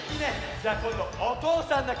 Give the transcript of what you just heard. じゃあこんどおとうさんだけ！